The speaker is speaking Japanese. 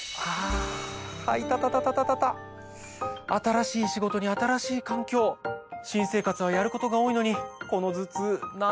新しい仕事に新しい環境新生活はやることが多いのに。